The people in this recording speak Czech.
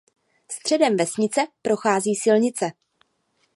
Středem vesnice prochází silnice.